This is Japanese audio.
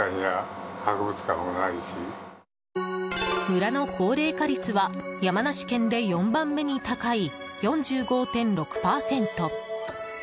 村の高齢化率は山梨県で４番目に高い４５．６％。